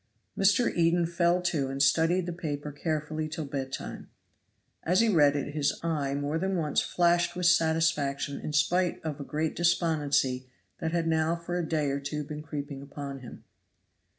Mr. Eden fell to and studied the paper carefully till bed time. As he read it his eye more than once flashed with satisfaction in spite of a great despondency that had now for a day or two been creeping upon him.